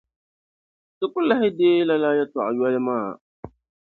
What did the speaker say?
Ti ku lahi deei lala yεltɔɣa yoli maa.